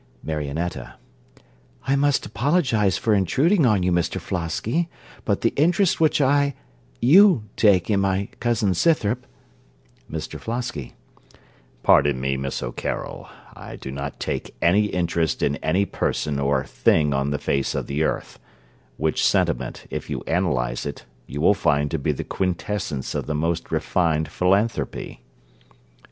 MARIONETTA I must apologise for intruding on you, Mr Flosky; but the interest which I you take in my cousin Scythrop MR FLOSKY Pardon me, Miss O'Carroll; I do not take any interest in any person or thing on the face of the earth; which sentiment, if you analyse it, you will find to be the quintessence of the most refined philanthropy.